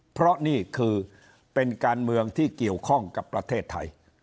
เพราะนี่คือเป็นการเมืองที่เกี่ยวข้องกับประเทศไทย